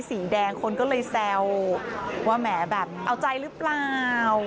สีแดงคนก็เลยแซวว่าแหมแบบเอาใจหรือเปล่า